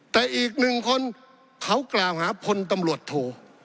แต่อีกหนึ่งคนเขากล่าวหาพลตำรวจโท